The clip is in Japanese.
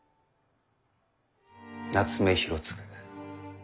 夏目広次。